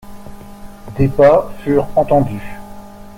Des pas furent entendus.